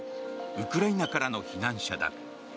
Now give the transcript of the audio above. ウクライナからの避難者だ。